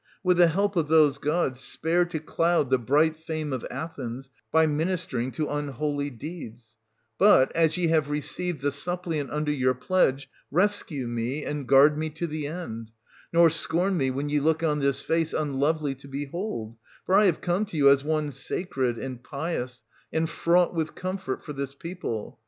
With the help of those gods, spare to cloud the bright fame of Athens by ministering to unholy deeds ; but, as ye have received the suppliant under your pledge, rescue me and guard me to the end ; nor scorn me when ye look on this face unlovely to behold : for I have come to you as one sacred, and pious, and fraught with comfort for this people.